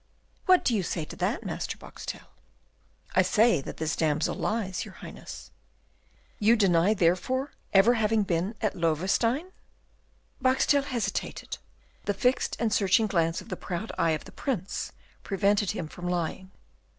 "What do you say to that, Master Boxtel?" "I say that this damsel lies, your Highness." "You deny, therefore, having ever been at Loewestein?" Boxtel hesitated; the fixed and searching glance of the proud eye of the Prince prevented him from lying.